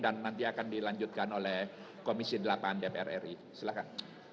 dan nanti akan dilanjutkan oleh komisi delapan dpr ri silahkan